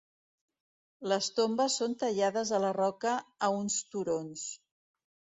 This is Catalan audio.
Les tombes són tallades a la roca a uns turons.